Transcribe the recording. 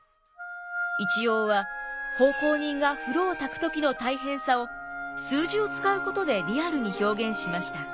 一葉は奉公人が風呂をたく時の大変さを数字を使うことでリアルに表現しました。